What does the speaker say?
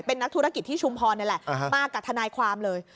เป็นนักธุรกิจที่ชุมพรนี่แหละมากับทนายความเลย